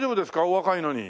お若いのに。